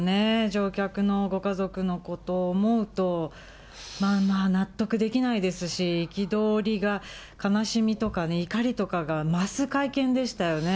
乗客のご家族のことを思うと、納得できないですし、憤りが、悲しみとか怒りとかが増す会見でしたよね。